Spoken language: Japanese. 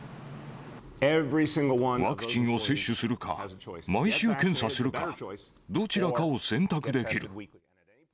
ワクチンを接種するか、毎週検査するか、どちらかを選択できる。